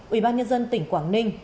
ủy ban nhân dân tỉnh quảng ninh